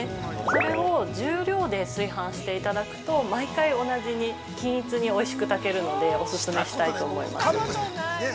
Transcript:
それを重量で炊飯していただくと毎回同じに、均一においしく炊けるのでお勧めしたいと思います。